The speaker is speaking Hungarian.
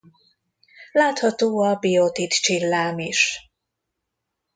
Látható a biotit csillám is.